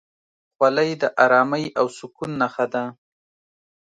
خولۍ د ارامۍ او سکون نښه ده.